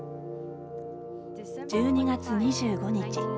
１２月２５日。